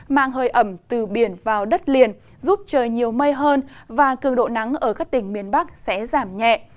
mang hơi ẩm từ biển vào đất liền giúp trời nhiều mây hơn và cường độ nắng ở các tỉnh miền bắc sẽ giảm nhẹ